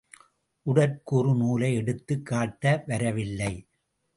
உடற்கூறு நூலை எடுத்துக் காட்ட வரவில்லை.